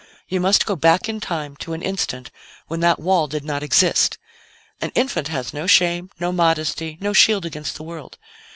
You must go back in time to an instant when that wall did not exist. An infant has no shame, no modesty, no shield against the world.